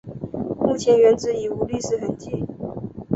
目前原址已无历史痕迹。